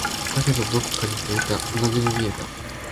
だけど、どこか似ていた。同じに見えた。